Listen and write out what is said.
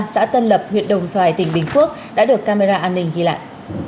xã tân lập huyện đồng xoài tỉnh bình phước đã được camera an ninh ghi lại